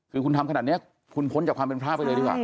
คือคุณทำขนาดนี้คุณพ้นจากความเป็นพระไปเลยดีกว่า